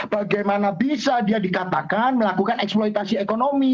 bagaimana bisa dia dikatakan melakukan eksploitasi ekonomi